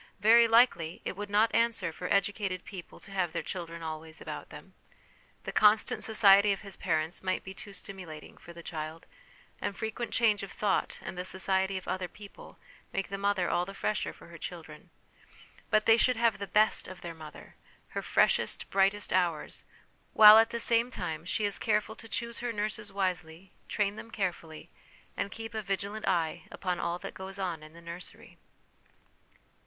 Very likely it would not answer for educated people to have their children always about them. The constant society of his parents might be too stimulat ing for the child ; and frequent change of thought, and the society of other people, make the mother all the fresher for her children. But they should have the best of their mother, her freshest, brightest hours ; while, at the same time, she is careful to choose her nurses wisely, train them carefully, and keep a vigilant eye upon all that goes on in the nursery.